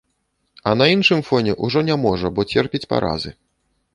А на іншым фоне ўжо не можа, бо церпіць паразы.